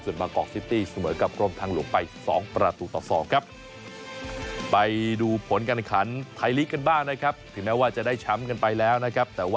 ส่วนสุพรานบุรีที่เจอกับชายนาฏ